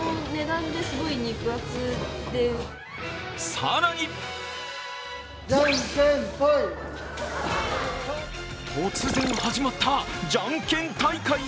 更に突然始まったじゃんけん大会？